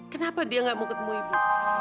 kenapa dia gak mau ketemu ibu